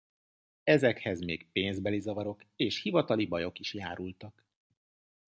Ezekhez még pénzbeli zavarok és hivatali bajok is járultak.